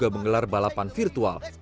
mendelar balapan virtual